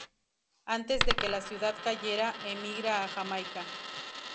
Antes de que la ciudad cayera, emigra a Jamaica.